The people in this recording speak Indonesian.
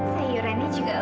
sayurannya juga udah